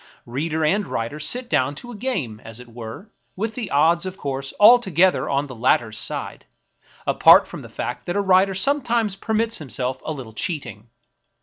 Reader and writer sit down to a game, as it were, with the odds, of course, altogether on the latter's side, — apart from the fact that a writer sometimes permits himself a little cheating.